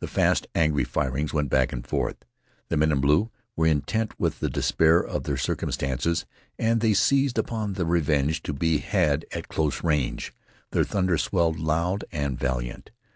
The fast angry firings went back and forth. The men in blue were intent with the despair of their circumstances and they seized upon the revenge to be had at close range. Their thunder swelled loud and valiant.